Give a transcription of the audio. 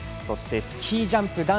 そしてスキージャンプ